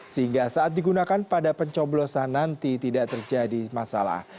sehingga saat digunakan pada pencoblosan nanti tidak terjadi masalah